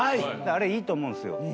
あれいいと思うんですよ。